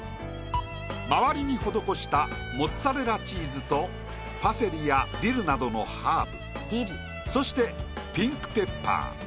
周りに施したモッツァレラチーズとパセリやディルなどのハーブそしてピンクペッパー。